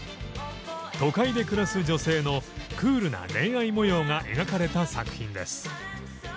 都会で暮らす女性のクールな恋愛模様が描かれた作品です。